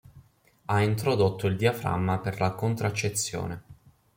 Ha introdotto il diaframma per la contraccezione.